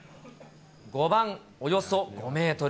５番、およそ５メートル。